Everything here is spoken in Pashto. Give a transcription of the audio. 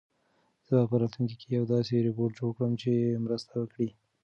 زه به په راتلونکي کې یو داسې روبوټ جوړ کړم چې مرسته وکړي.